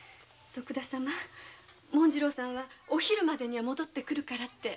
紋次郎さんはお昼までには戻ってくるからって。